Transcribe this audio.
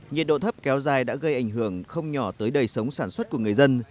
nhiệt độ thấp kéo dài đã gây ảnh hưởng không nhỏ tới đời sống sản xuất của người dân